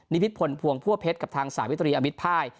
พิษพลภวงพั่วเพชรกับทางสาวิตรีอมิตภาย